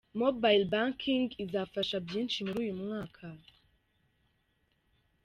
Mobile Banking izafasha byinshi muri uyu mwaka.